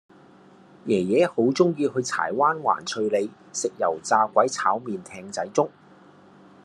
爺爺好鍾意去柴灣環翠里食油炸鬼炒麵艇仔粥